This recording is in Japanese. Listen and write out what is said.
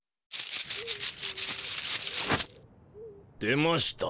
出ました。